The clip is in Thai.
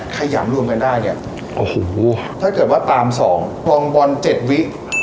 ขยัมรวมมาได้เนี้ยอ๋อฮูถ้าเกิดว่าตามสองกร่องบอลเจ็ดวิ